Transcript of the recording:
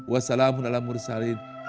wassalamualaikum warahmatullahi wabarakatuh